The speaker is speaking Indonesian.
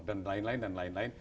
dan lain lain dan lain lain